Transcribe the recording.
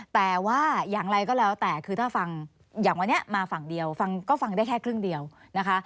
แต่ว่าอย่างไรก็แล้วแต่คือถ้าฟังอย่างวันนี้มาฝั่งเดียวก็ฟังได้แค่ครึ่งเดียวนะคะ